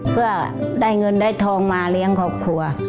เพื่อได้เงินได้ทองมาเลี้ยงครอบครัว